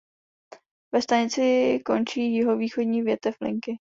Ve stanici končí jihovýchodní větev linky.